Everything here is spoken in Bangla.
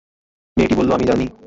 মেয়েটি বলল, আমি জানি।